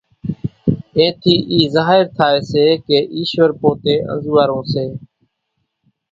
اين ٿي اِي ظاھر ٿائي سي ڪي ايشور پوتي انزوئارون سي،